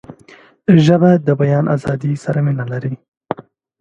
ژبه د بیان آزادۍ سره مینه لري